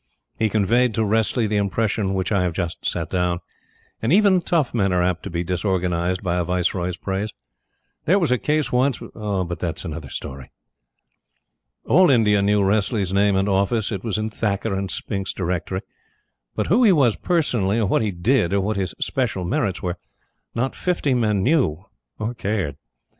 He conveyed to Wressley the impression which I have just set down; and even tough men are apt to be disorganized by a Viceroy's praise. There was a case once but that is another story. All India knew Wressley's name and office it was in Thacker and Spink's Directory but who he was personally, or what he did, or what his special merits were, not fifty men knew or cared.